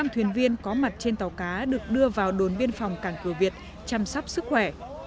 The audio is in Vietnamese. năm thuyền viên có mặt trên tàu cá được đưa vào đồn biên phòng cảng cửa việt chăm sóc sức khỏe